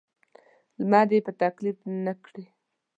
لمر یې په تکلیف نه کړي.